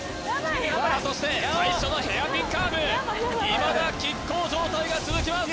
さあそして最初のヘアピンカーブいまだきっ抗状態が続きます